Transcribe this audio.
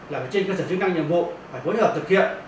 là phải trên cơ sở chức năng nhiệm vụ phải phối hợp thực hiện